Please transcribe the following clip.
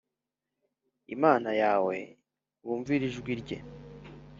Imana yawe wumvira ijwi rye